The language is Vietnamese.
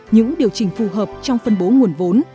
những điều chỉnh phù hợp trong phân bố nguồn vốn